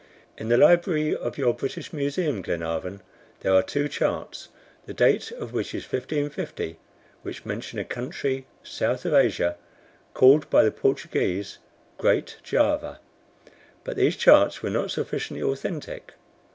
In the library of your British Museum, Glenarvan, there are two charts, the date of which is 1550, which mention a country south of Asia, called by the Portuguese Great Java. But these charts are not sufficiently authentic.